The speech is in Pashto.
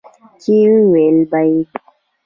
چې وييل به يې